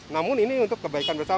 namun ini untuk kebaikan